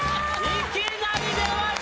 いきなり出ました！